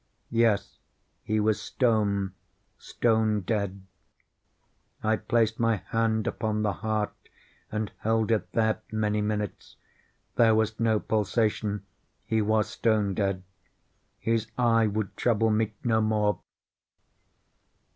Yes, he was stone, stone dead. I placed my hand upon the heart and held it there many minutes. There was no pulsation. He was stone dead. His eye would trouble me no more.